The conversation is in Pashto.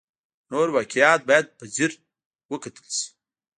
نور واقعیات باید په ځیر وکتل شي.